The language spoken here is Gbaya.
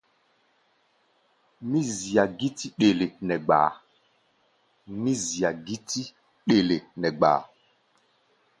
Mí zia gítí ɗele nɛ gbaá.